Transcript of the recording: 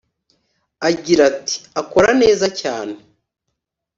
Agira ati “Akora neza cyane